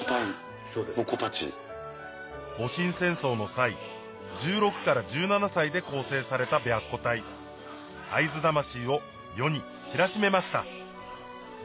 戊辰戦争の際１６から１７歳で構成された会津魂を世に知らしめました